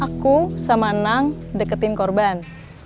aku sama nang deketin korban